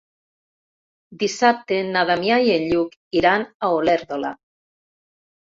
Dissabte na Damià i en Lluc iran a Olèrdola.